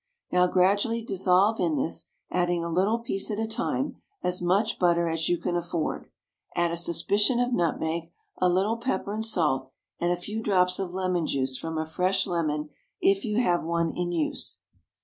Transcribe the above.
Now gradually dissolve in this, adding a little piece at a time, as much butter as you can afford; add a suspicion of nutmeg, a little pepper and salt, and a few drops of lemon juice from a fresh lemon, if you have one in use.